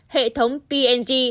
hệ thống p g